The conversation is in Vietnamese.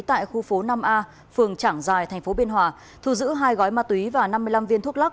tại khu phố năm a phường trảng giài tp biên hòa thu giữ hai gói ma túy và năm mươi năm viên thuốc lắc